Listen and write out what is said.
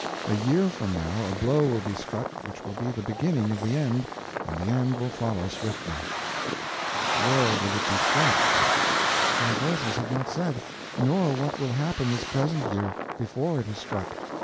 A year from now a blow will be struck which will be the beginning of the end, and the end will follow swiftly." "Where will it be struck?" "My Voices have not said; nor what will happen this present year, before it is struck.